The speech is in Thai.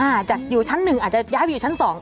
อาจจะอยู่ชั้นหนึ่งอาจจะย้ายไปอยู่ชั้น๒